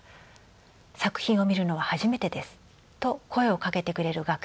作品を見るのは初めてです」と声をかけてくれる学生さんもいます。